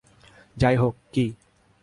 যাই হোক - কি?